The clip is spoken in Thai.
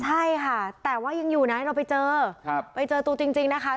ใช่ค่ะแต่ว่ายังอยู่นะเราไปเจอไปเจอตัวจริงนะคะ